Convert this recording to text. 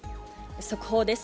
速報です。